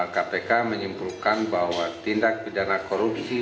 kpk menyimpulkan bahwa tindak pidana korupsi